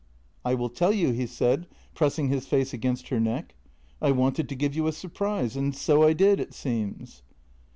"" I will tell you," he said, pressing his face against her neck. " I wanted to give you a surprise, and so I did, it seems."